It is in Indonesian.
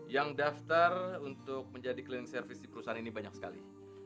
yang daftar untuk menjadi clean service di perusahaan ini banyak sekali